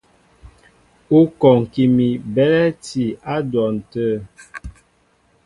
Ú kɔŋki mi belɛ̂ti á dwɔn tə̂.